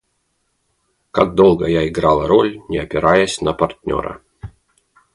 Как долго я играла роль, Не опираясь на партнера.